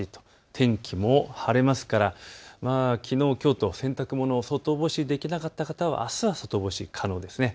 天気も晴れますからきのう、きょうと洗濯物、外干しできなかった方はあすは外干し可能ですね。